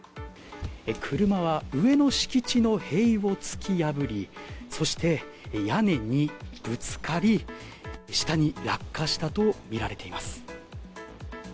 車は上の敷地の塀を突き破りそして、屋根にぶつかり下に落下したとみられています。